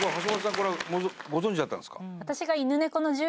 これご存じだったんですか？